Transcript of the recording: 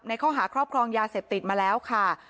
ข้อหาครอบครองยาเสพติดมาแล้วค่ะ